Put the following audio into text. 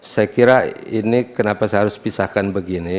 saya kira ini kenapa saya harus pisahkan begini